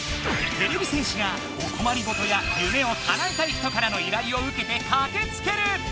てれび戦士がおこまりごとやゆめをかなえたい人からの依頼をうけてかけつける！